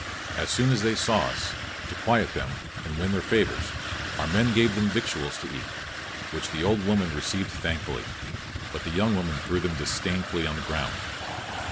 As soone as they saw us, to quiet them and win their favours, our men gave them victuals to eate, which the old woman received thankfully, but the young woman threw them disdainfully on the ground.